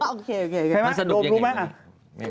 โอเคมันสนุกยังไงนะ